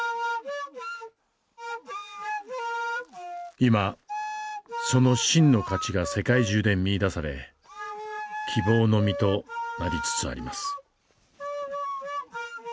今その真の価値が世界中で見いだされ希望の実となりつつあります。